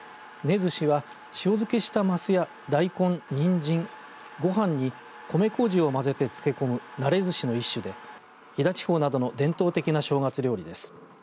ずしは塩漬けした、ますや大根にんじんごはんに、米こうじをまぜて漬け込むなれずしの一種で飛彈地方などの伝統的な正月料理です。